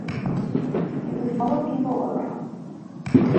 You could follow people around.